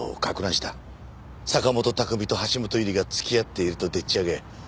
坂元拓海と橋本優里が付き合っているとでっち上げ